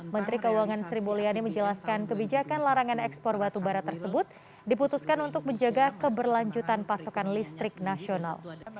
menteri keuangan sri mulyani menjelaskan kebijakan larangan ekspor batubara tersebut diputuskan untuk menjaga keberlanjutan pasokan listrik nasional